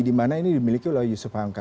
dimana ini dimiliki oleh yusuf hamka